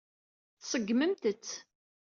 Tṣeggmemt-t.